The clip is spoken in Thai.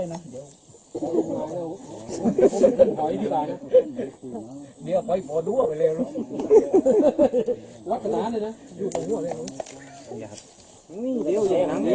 นางนั่นอ่ะมานั่นอีเสามั่ง